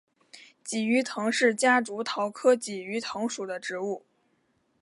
鲫鱼藤是夹竹桃科鲫鱼藤属的植物。